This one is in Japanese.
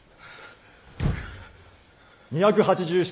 ２８７。